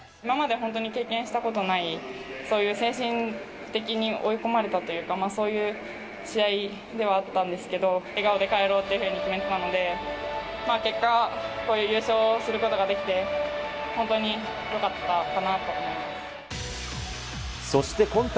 今まで本当に経験したことない、そういう精神的に追い込まれたというか、そういう試合ではあったんですけど、笑顔で帰ろうというふうに決めてたので、結果、優勝することができて、本当によかったかなと思います。